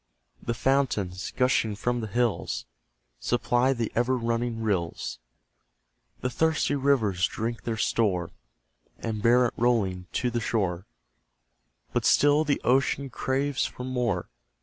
The fountains, gushing from the hills, Supply the ever running rills; The thirsty rivers drink their store, And bear it rolling to the shore, But still the ocean craves for more.